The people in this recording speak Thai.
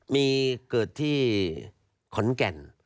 มีเกิดที่ขอนแก่น